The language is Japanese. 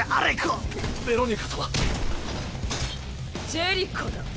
ジェリコだ。